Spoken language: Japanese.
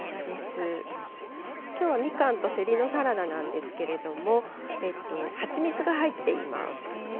きょうはみかんとせりのサラダなんですけれども蜂蜜が入っています。